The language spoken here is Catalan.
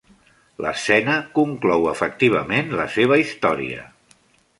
L'escena conclou efectivament la seva història.